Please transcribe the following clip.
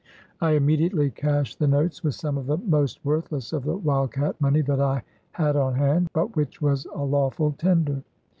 ; I immediately cashed the notes with some of the most worthless of the : wild cat' money that I had on hand, but which was a lawful tender.